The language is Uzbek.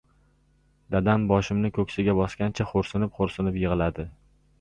Dadam boshimni ko‘ksiga bosgancha xo‘rsinib- xo‘rsinib yig‘ladi.